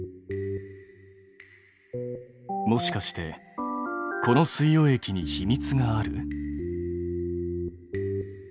もしかしてこの水溶液に秘密がある？